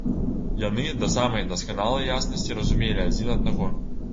Яны да самай дасканалай яснасці разумелі адзін аднаго.